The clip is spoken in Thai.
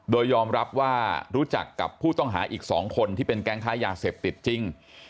โดยยอมรับว่ารู้จักกับผู้ต้องหาอีก๒คนที่เป็นแก๊งค้ายาเสพติดจริง